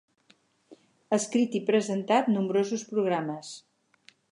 Escrit i presentat nombrosos programes.